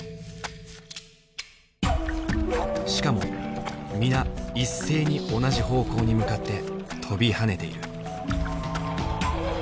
しかも皆一斉に同じ方向に向かって跳びはねている。